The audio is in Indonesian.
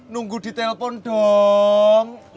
nunggu di telpon dong